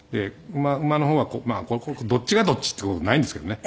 馬の方はどっちがどっちっていう事ないんですけどね。